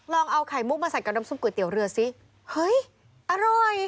ลองเอาไข่มุกมาใส่กับน้ำซุปก๋วยเตี๋ยวเรือซิเฮ้ยอร่อย